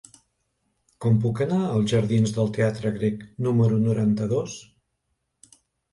Com puc anar als jardins del Teatre Grec número noranta-dos?